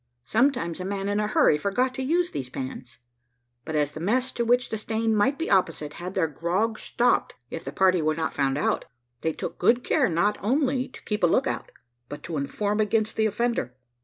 Sometimes a man in a hurry forgot to use these pans; but as the mess to which the stain might be opposite had their grog stopped if the party were not found out, they took good care not only to keep a look out, but to inform against the offender.